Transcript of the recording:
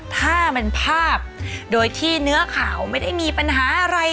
ถ้ามันภาพโดยที่เนื้อข่าวไม่ได้มีปัญหาอะไร